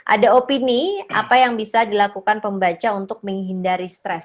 ada opini apa yang bisa dilakukan pembaca untuk menghindari stres